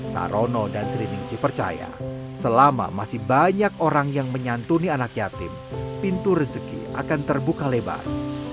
sarono dan sri ningsi percaya selama masih banyak orang yang menyantuni anak yatim pintu rezeki akan terbuka lebar